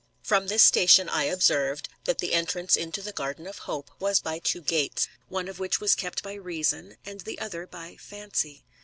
From this station I observed, that the entrance into the garden of Hope was by two gates, one of which was kept by Reason, and the other by Fancy.